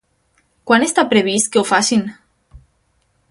Quan està previst que ho facin?